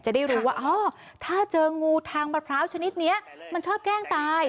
จะได้รู้ว่าอ๋อถ้าเจองูทางมะพร้าวชนิดนี้มันชอบแกล้งตาย